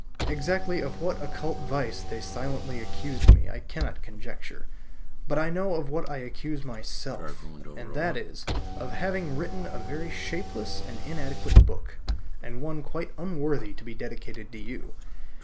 Exactly of what occult vice they silently accused me I cannot conjecture, but I know of what I accuse myself; and that is, of having written a very shapeless and inadequate book, and one quite unworthy to be dedicated to you.